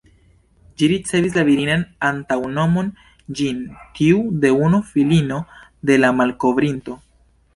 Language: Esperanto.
Ĝi ricevis la virinan antaŭnomon ""Jeanne"", tiu de unu filino de la malkovrinto.